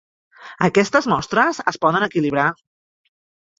Aquestes mostres es poden equilibrar.